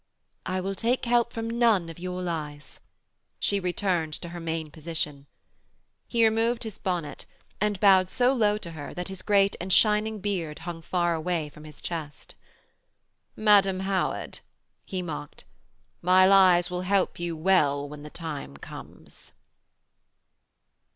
'I will take help from none of your lies.' She returned to her main position. He removed his bonnet, and bowed so low to her that his great and shining beard hung far away from his chest. 'Madam Howard,' he mocked, 'my lies will help you well when the time comes.'